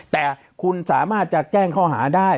แต่คุณสามารถจะแจ้งข้อหาได้